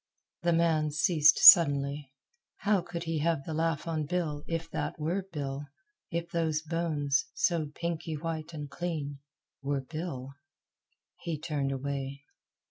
The man ceased suddenly. How could he have the laugh on Bill if that were Bill; if those bones, so pinky white and clean, were Bill? He turned away.